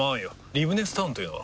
リブネスタウンというのは？